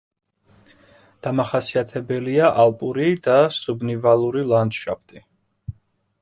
დამახასიათებელია ალპური და სუბნივალური ლანდშაფტი.